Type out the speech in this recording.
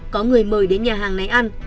có người mời đến nhà hàng lấy ăn